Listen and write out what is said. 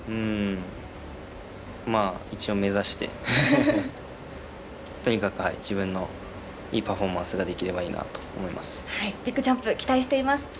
一応目指して、とにかく自分のいいパフォーマンスができればいいなと思っていまビッグジャンプ、期待しています。